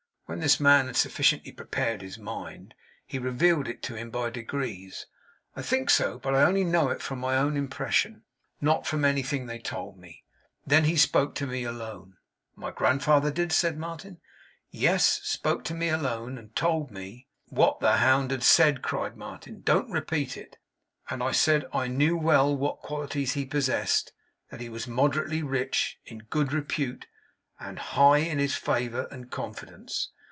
When this man had sufficiently prepared his mind, he revealed it to him by degrees. I think so, but I only know it from my own impression: now from anything they told me. Then he spoke to me alone.' 'My grandfather did?' said Martin. 'Yes spoke to me alone, and told me ' 'What the hound had said,' cried Martin. 'Don't repeat it.' 'And said I knew well what qualities he possessed; that he was moderately rich; in good repute; and high in his favour and confidence.